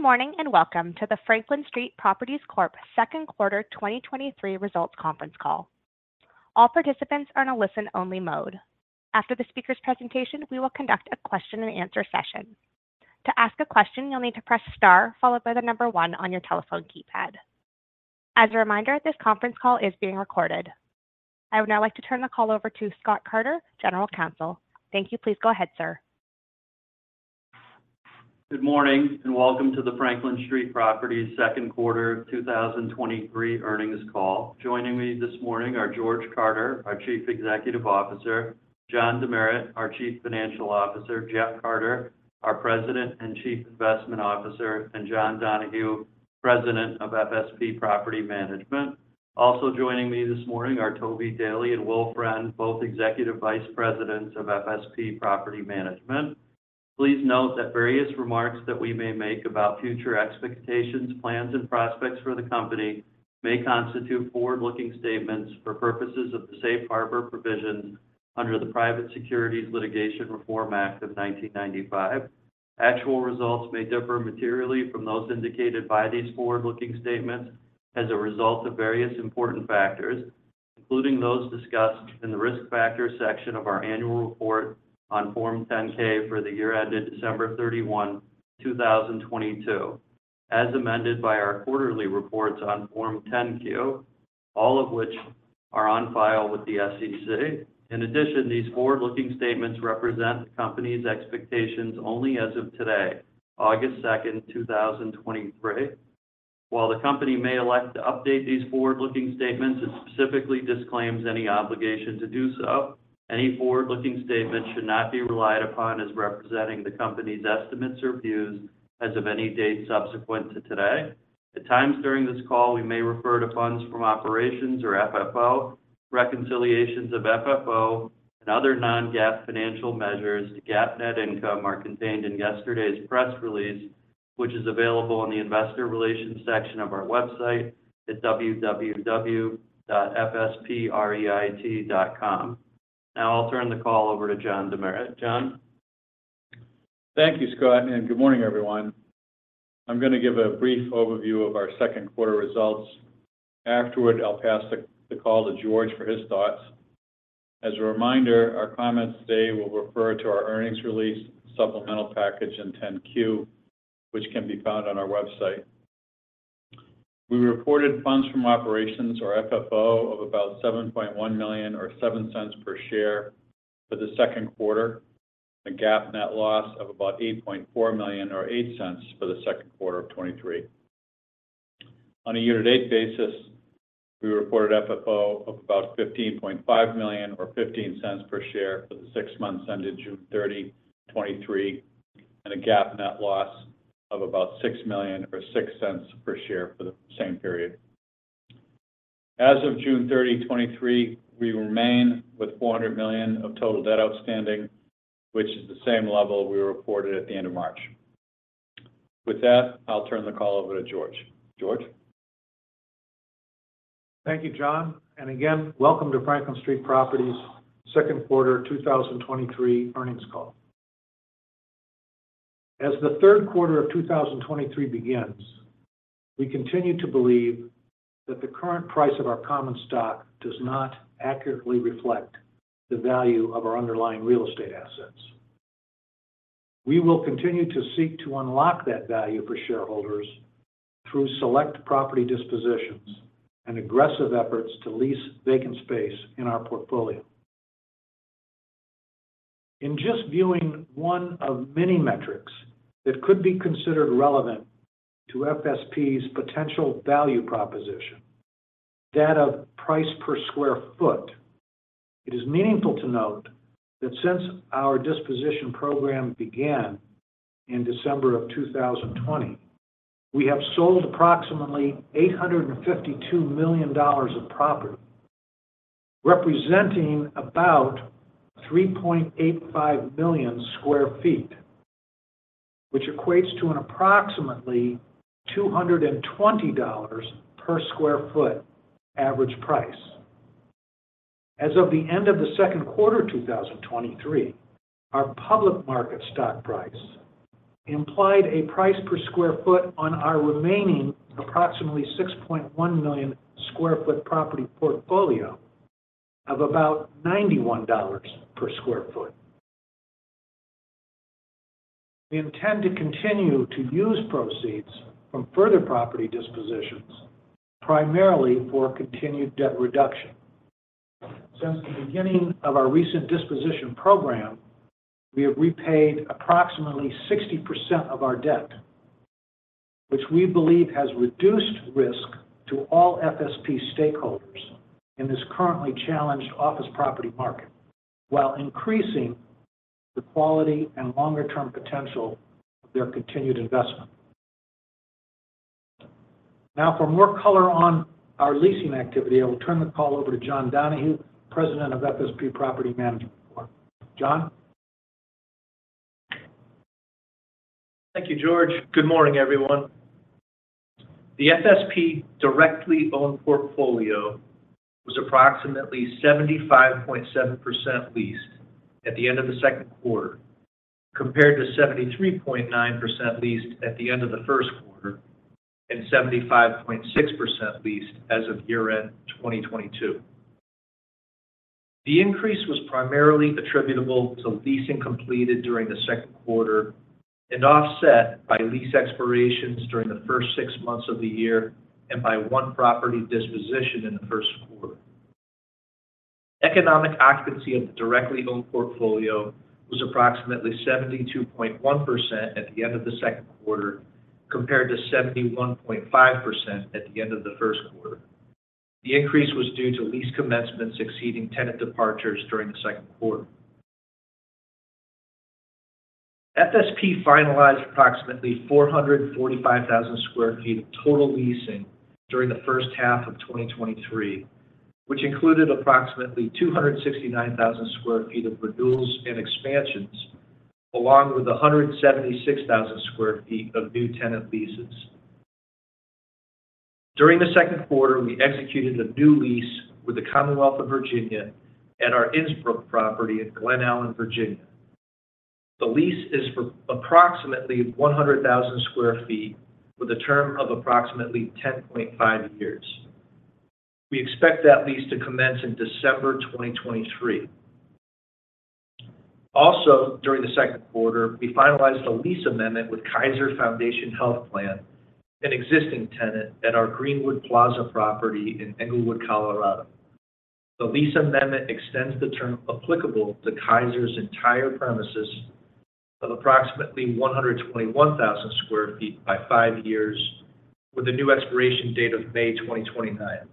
Good morning, welcome to the Franklin Street Properties Corp Q2 2023 Results Conference Call. All participants are in a listen-only mode. After the speaker's presentation, we will conduct a question-and-answer session. To ask a question, you'll need to press star followed by 1 on your telephone keypad. As a reminder, this conference call is being recorded. I would now like to turn the call over to Scott Carter, General Counsel. Thank you. Please go ahead, sir. Good morning, welcome to the Franklin Street Properties Q2 2023 earnings call. Joining me this morning are George Carter, our Chief Executive Officer, John Demeritt, our Chief Financial Officer, Jeff Carter, our President and Chief Investment Officer, and John Donahue, President of FSP Property Management. Also joining me this morning are Toby Daley and Will Friend, both Executive Vice Presidents of FSP Property Management. Please note that various remarks that we may make about future expectations, plans, and prospects for the company may constitute forward-looking statements for purposes of the Safe Harbor provisions under the Private Securities Litigation Reform Act of 1995. Actual results may differ materially from those indicated by these forward-looking statements as a result of various important factors, including those discussed in the Risk Factors section of our annual report on Form 10-K for the year ended December 31, 2022, as amended by our quarterly reports on Form 10-Q, all of which are on file with the SEC. In addition, these forward-looking statements represent the company's expectations only as of today, August 2nd, 2023. While the company may elect to update these forward-looking statements, it specifically disclaims any obligation to do so. Any forward-looking statements should not be relied upon as representing the company's estimates or views as of any date subsequent to today. At times during this call, we may refer to funds from operations or FFO, reconciliations of FFO, and other non-GAAP financial measures. The GAAP net income are contained in yesterday's press release, which is available on the Investor Relations section of our website at www.fspreit.com. Now, I'll turn the call over to John Demeritt. John? Thank you, Scott. Good morning, everyone. I'm going to give a brief overview of our Q2 results. Afterward, I'll pass the call to George for his thoughts. As a reminder, our comments today will refer to our earnings release, supplemental package, and 10-Q, which can be found on our website. We reported funds from operations, or FFO, of about $7.1 million, or $0.07 per share for the Q2, a GAAP net loss of about $8.4 million, or $0.08 for the Q2 of 2023. On a year-to-date basis, we reported FFO of about $15.5 million, or $0.15 per share for the six months ended June 30, 2023, and a GAAP net loss of about $6 million, or $0.06 per share for the same period. As of June 30, 2023, we remain with $400 million of total debt outstanding, which is the same level we reported at the end of March. With that, I'll turn the call over to George. George? Thank you, John. Again, welcome to Franklin Street Properties Q2 2023 earnings call. As the Q3 of 2023 begins, we continue to believe that the current price of our common stock does not accurately reflect the value of our underlying real estate assets. We will continue to seek to unlock that value for shareholders through select property dispositions and aggressive efforts to lease vacant space in our portfolio. In just viewing one of many metrics that could be considered relevant to FSP's potential value proposition, data price per square foot, it is meaningful to note that since our disposition program began in December of 2020, we have sold approximately $852 million of property, representing about 3.85 million sq ft, which equates to an approximately $220 per sq ft average price. As of the end of the Q2 2023, our public market stock price implied a price per square foot on our remaining approximately 6.1 million sq ft property portfolio of about $91 per sq ft. We intend to continue to use proceeds from further property dispositions, primarily for continued debt reduction. Since the beginning of our recent disposition program, we have repaid approximately 60% of our debt, which we believe has reduced risk to all FSP stakeholders in this currently challenged office property market, while increasing the quality and longer-term potential of their continued investment. For more color on our leasing activity, I will turn the call over to John Donahue, President of FSP Property Management. John? Thank you, George. Good morning, everyone. The FSP directly owned portfolio was approximately 75.7% leased at the end of the Q2, compared to 73.9% leased at the end of the Q1 and 75.6% leased as of year-end 2022. The increase was primarily attributable to leasing completed during the Q2 and offset by lease expirations during the first six months of the year and by one property disposition in the Q1. Economic occupancy of the directly owned portfolio was approximately 72.1% at the end of the Q2, compared to 71.5% at the end of the Q1. The increase was due to lease commencements exceeding tenant departures during the Q2. FSP finalized approximately 445,000 sq ft of total leasing during the H1 of 2023, which included approximately 269,000 sq ft of renewals and expansions, along with 176,000 sq ft of new tenant leases. During the Q2, we executed a new lease with the Commonwealth of Virginia at our Innsbrook property in Glen Allen, Virginia. The lease is for approximately 100,000 sq ft, with a term of approximately 10.5 years. We expect that lease to commence in December 2023. Also, during the Q2, we finalized a lease amendment with Kaiser Foundation Health Plan, an existing tenant at our Greenwood Plaza property in Englewood, Colorado. The lease amendment extends the term applicable to Kaiser's entire premises of approximately 121,000 sq ft by 5 years, with a new expiration date of May 2029.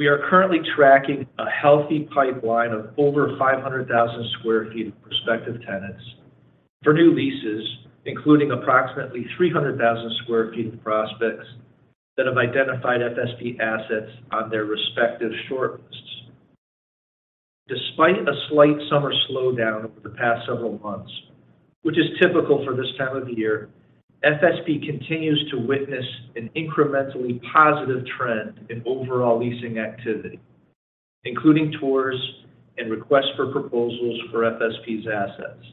We are currently tracking a healthy pipeline of over 500,000 sq ft of prospective tenants for new leases, including approximately 300,000 sq ft of prospects that have identified FSP assets on their respective shortlists. Despite a slight summer slowdown over the past several months, which is typical for this time of year, FSP continues to witness an incrementally positive trend in overall leasing activity, including tours and requests for proposals for FSP's assets.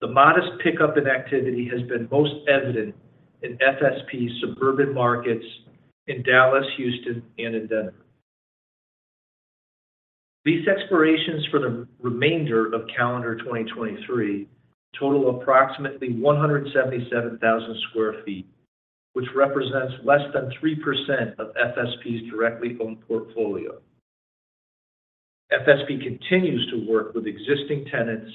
The modest pickup in activity has been most evident in FSP's suburban markets in Dallas, Houston, and in Denver. Lease expirations for the remainder of calendar 2023 total approximately 177,000 sq ft, which represents less than 3% of FSP's directly owned portfolio. FSP continues to work with existing tenants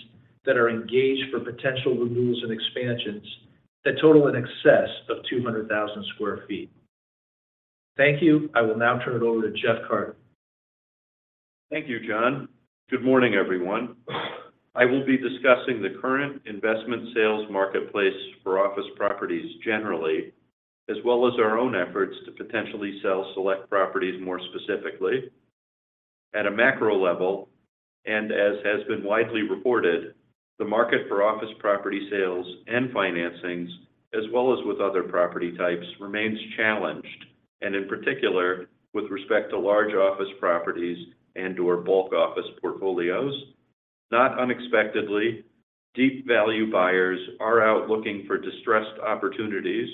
that are engaged for potential renewals and expansions that total in excess of 200,000 sq ft. Thank you. I will now turn it over to Jeff Carter. Thank you, John. Good morning, everyone. I will be discussing the current investment sales marketplace for office properties generally, as well as our own efforts to potentially sell select properties more specifically. At a macro level, as has been widely reported, the market for office property sales and financings, as well as with other property types, remains challenged, in particular, with respect to large office properties and/or bulk office portfolios. Not unexpectedly, deep value buyers are out looking for distressed opportunities,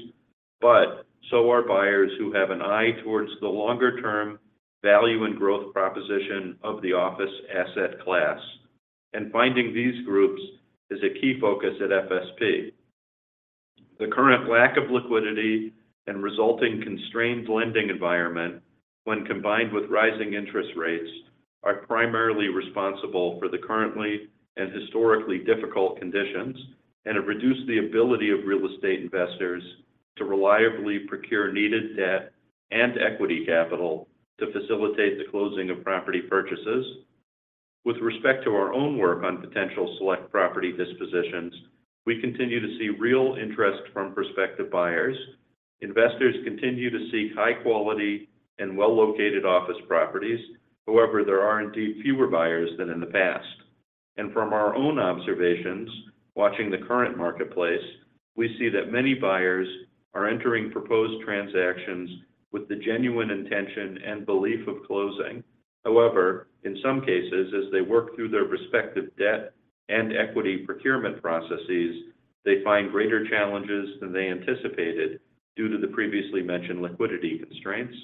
so are buyers who have an eye towards the longer-term value and growth proposition of the office asset class, finding these groups is a key focus at FSP. The current lack of liquidity and resulting constrained lending environment, when combined with rising interest rates, are primarily responsible for the currently and historically difficult conditions and have reduced the ability of real estate investors to reliably procure needed debt and equity capital to facilitate the closing of property purchases. With respect to our own work on potential select property dispositions, we continue to see real interest from prospective buyers. Investors continue to seek high quality and well-located office properties. However, there are indeed fewer buyers than in the past. From our own observations, watching the current marketplace, we see that many buyers are entering proposed transactions with the genuine intention and belief of closing. However, in some cases, as they work through their respective debt and equity procurement processes, they find greater challenges than they anticipated due to the previously mentioned liquidity constraints,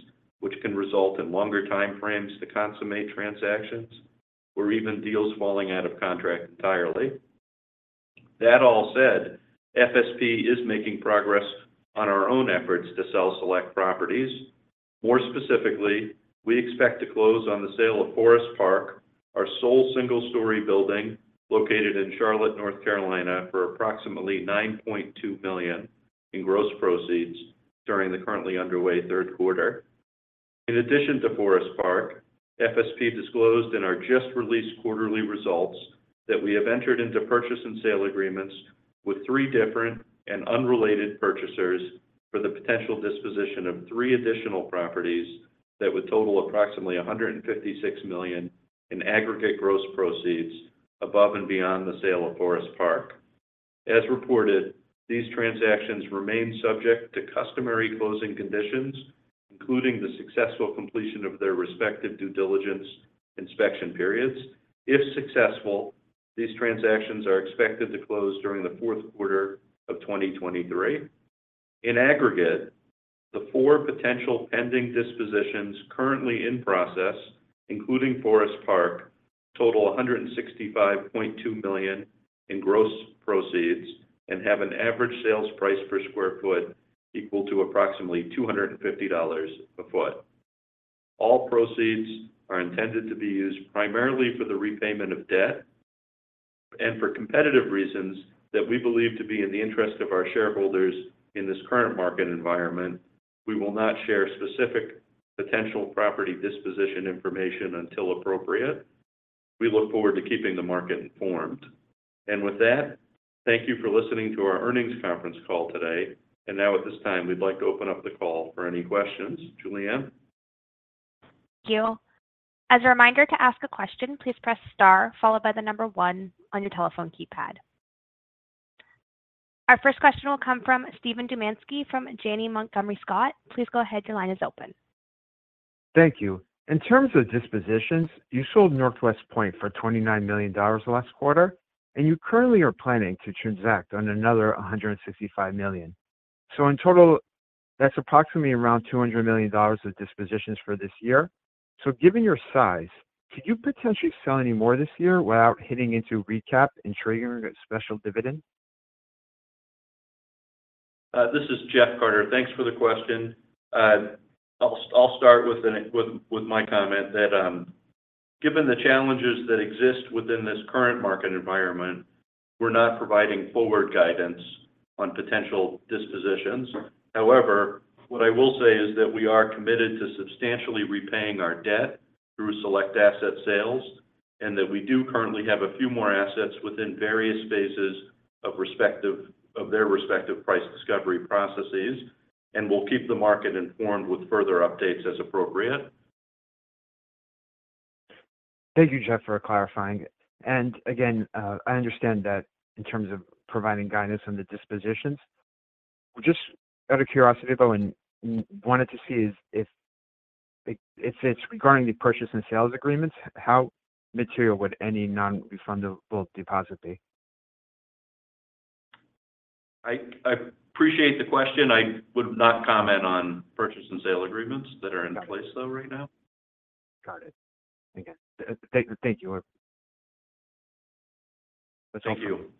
which can result in longer time frames to consummate transactions or even deals falling out of contract entirely. That all said, FSP is making progress on our own efforts to sell select properties. More specifically, we expect to close on the sale of Forest Park, our sole single-story building located in Charlotte, North Carolina, for approximately $9.2 million in gross proceeds during the currently underway Q3. In addition to Forest Park, FSP disclosed in our just-released quarterly results that we have entered into purchase and sale agreements with three different and unrelated purchasers for the potential disposition of three additional properties that would total approximately $156 million in aggregate gross proceeds above and beyond the sale of Forest Park. As reported, these transactions remain subject to customary closing conditions, including the successful completion of their respective due diligence inspection periods. If successful, these transactions are expected to close during the Q4 of 2023. In aggregate, the 4 potential pending dispositions currently in process, including Forest Park, total $165.2 million in gross proceeds and have an average sales price per square foot equal to approximately $250 a foot. All proceeds are intended to be used primarily for the repayment of debt and for competitive reasons that we believe to be in the interest of our shareholders in this current market environment, we will not share specific potential property disposition information until appropriate. We look forward to keeping the market informed. With that, thank you for listening to our earnings conference call today. Now, at this time, we'd like to open up the call for any questions. Julianne? Thank you. As a reminder, to ask a question, please press star followed by 1 on your telephone keypad. Our first question will come from Steven Dumanski from Janney Montgomery Scott. Please go ahead. Your line is open. Thank you. In terms of dispositions, you sold Northwest Point for $29 million last quarter, and you currently are planning to transact on another $165 million. In total, that's approximately around $200 million of dispositions for this year. Given your size, could you potentially sell any more this year without hitting into recap and triggering a special dividend? This is Jeff Carter. Thanks for the question. I'll, I'll start with the, with, with my comment that, given the challenges that exist within this current market environment, we're not providing forward guidance on potential dispositions. However, what I will say is that we are committed to substantially repaying our debt through select asset sales, and that we do currently have a few more assets within various phases of their respective price discovery processes, and we'll keep the market informed with further updates as appropriate. Thank you, Jeff, for clarifying. Again, I understand that in terms of providing guidance on the dispositions. Just out of curiosity, though, and wanted to see is if, if it's regarding the purchase and sales agreements, how material would any nonrefundable deposit be? I appreciate the question. I would not comment on purchase and sale agreements that are in place, though, right now. Got it. Thank you. Thank you. Thank you.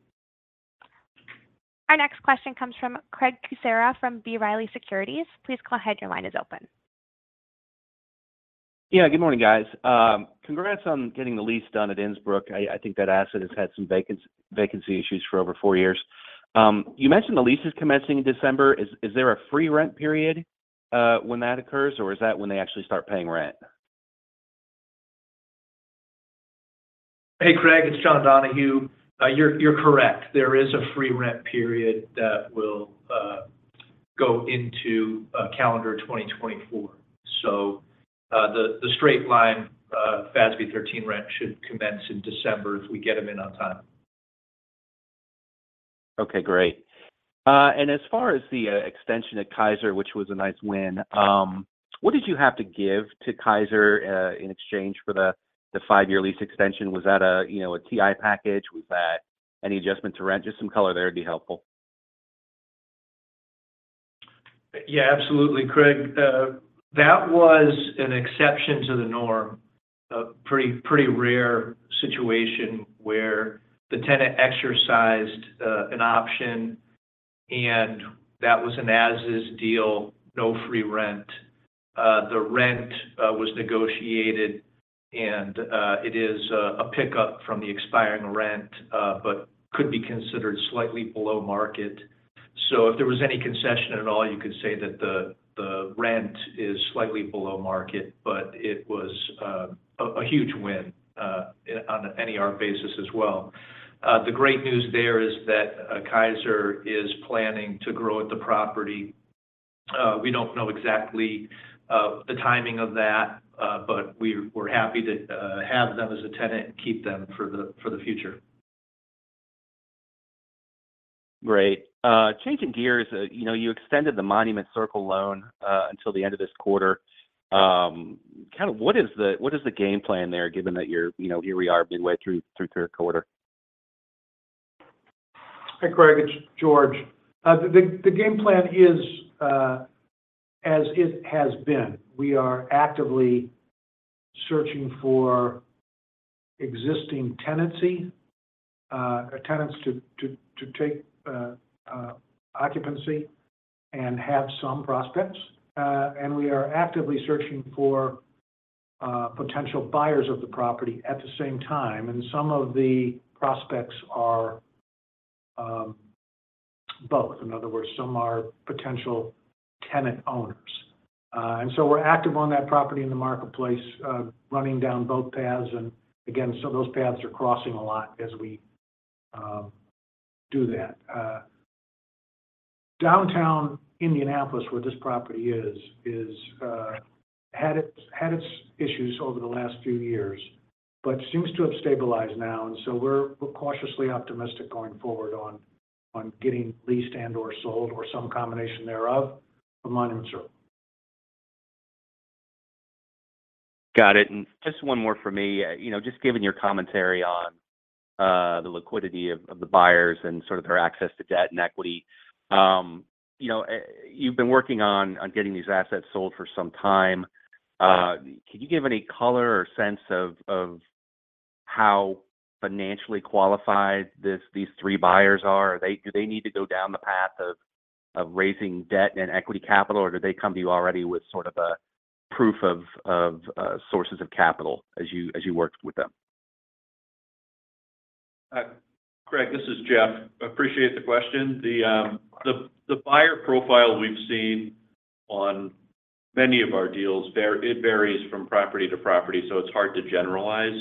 Our next question comes from Craig Kucera from B. Riley Securities. Please go ahead. Your line is open. Yeah, good morning, guys. Congrats on getting the lease done at Innsbrook. I, I think that asset has had some vacancy issues for over four years. You mentioned the lease is commencing in December. Is, is there a free rent period when that occurs, or is that when they actually start paying rent? Hey, Craig, it's John Donahue. You're correct. There is a free rent period that will go into calendar 2024. The straight-line FASB 13 rent should commence in December if we get them in on time. Okay, great. As far as the extension at Kaiser, which was a nice win, what did you have to give to Kaiser in exchange for the 5-year lease extension? Was that a, you know, a TI package? Was that any adjustment to rent? Just some color there would be helpful. Yeah, absolutely, Craig. That was an exception to the norm, a pretty, pretty rare situation where the tenant exercised an option, and that was an as-is deal, no free rent. The rent was negotiated, and it is a pickup from the expiring rent, but could be considered slightly below market. If there was any concession at all, you could say that the rent is slightly below market, but it was a huge win on an NER basis as well. The great news there is that Kaiser is planning to grow at the property. We don't know exactly the timing of that, but we're happy to have them as a tenant and keep them for the future. Great. changing gears, you know, you extended the Monument Circle loan, until the end of this quarter. kind of what is the, what is the game plan there, given that you're, you know, here we are midway through, through the Q3? Hey, Craig, it's George. The game plan is as it has been. We are actively searching for existing tenancy, tenants to take occupancy and have some prospects. We are actively searching for potential buyers of the property at the same time, and some of the prospects are both. In other words, some are potential tenant owners. We're active on that property in the marketplace, running down both paths. Again, those paths are crossing a lot as we do that.... Downtown Indianapolis, where this property is, is, had its, had its issues over the last few years, but seems to have stabilized now, and so we're, we're cautiously optimistic going forward on, on getting leased and/or sold, or some combination thereof, for Monument Circle. Got it, and just one more for me. You know, just given your commentary on the liquidity of, of the buyers and sort of their access to debt and equity, you know, you've been working on, on getting these assets sold for some time. Can you give any color or sense of, of how financially qualified this, these three buyers are? Do they need to go down the path of, of raising debt and equity capital, or do they come to you already with sort of a proof of, of sources of capital as you, as you worked with them? Craig, this is Jeff. Appreciate the question. The buyer profile we've seen on many of our deals var... It varies from property to property, so it's hard to generalize.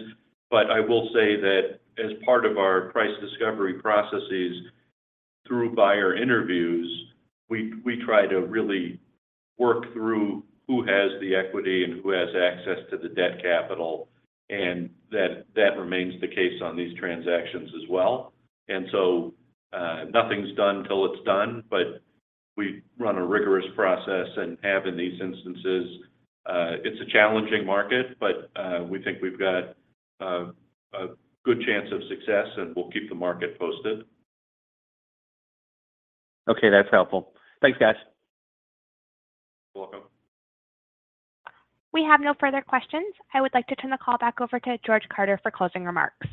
I will say that as part of our price discovery processes through buyer interviews, we, we try to really work through who has the equity and who has access to the debt capital, and that, that remains the case on these transactions as well. So, nothing's done till it's done, but we run a rigorous process and have in these instances. It's a challenging market, but, we think we've got, a good chance of success, and we'll keep the market posted. Okay, that's helpful. Thanks, guys. You're welcome. We have no further questions. I would like to turn the call back over to George Carter for closing remarks.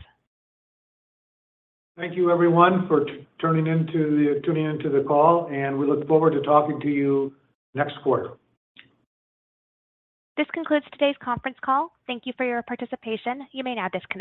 Thank you, everyone, for tuning in to the call. We look forward to talking to you next quarter. This concludes today's conference call. Thank you for your participation. You may now disconnect.